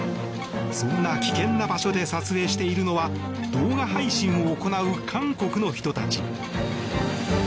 そんな危険な場所で撮影しているのは動画配信を行う韓国の人たち。